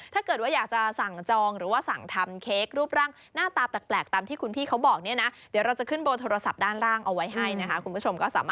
ถ้าเกิดอยากจะสั่งจองหรือสั่งทำเค้กรูปร่างหน้าตาแปลก